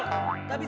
gak bisa diurus